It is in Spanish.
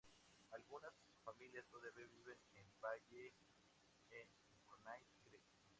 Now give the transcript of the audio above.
Algunas familias todavía viven en el valle en Furnace Creek.